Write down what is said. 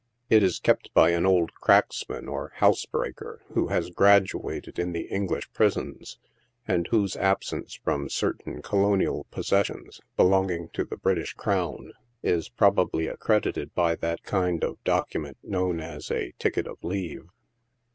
It is kept by an old " cracksman," or housebreaker, who has graduated in the English prisons, and whose absence from certain colonial possessions, belonging to the British Crown, is pro bably accredited by that kind of document known as a " ticket of leave."